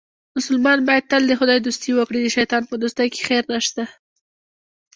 مسلمان باید تل د خدای دوستي وکړي، د شیطان په دوستۍ کې خیر نشته.